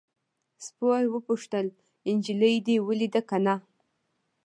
سپور وپوښتل نجلۍ دې ولیده که نه.